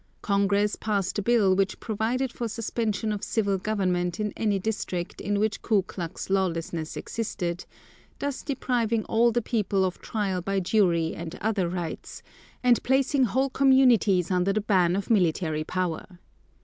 Congress passed a bill which provided for suspension of civil government in any district in which Ku Klux lawlessness existed, thus depriving all the people of trial by jury and other rights, and placing whole communities under the ban of military power.